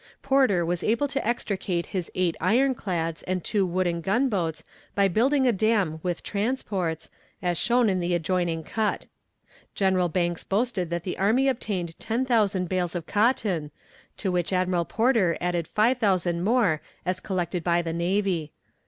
Porter was able to extricate his eight ironclads and two wooden gunboats by building a dam with transports, as shown in the adjoining cut. General Banks boasted that the army obtained ten thousand bales of cotton, to which Admiral Porter added five thousand more as collected by the navy.